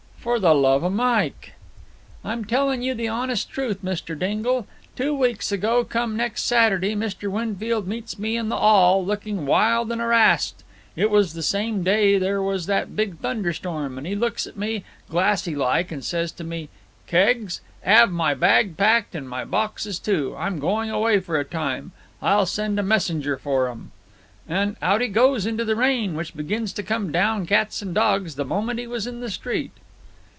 "For the love of Mike!" "I'm telling you the honest truth, Mr. Dingle. Two weeks ago come next Saturday Mr. Winfield meets me in the 'all looking wild and 'arassed—it was the same day there was that big thunder storm—and he looks at me, glassy like, and says to me: 'Keggs, 'ave my bag packed and my boxes, too; I'm going away for a time. I'll send a messenger for 'em.' And out he goes into the rain, which begins to come down cats and dogs the moment he was in the street.